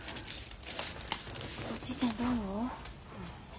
おじいちゃんどう？